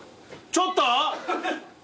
ちょっと！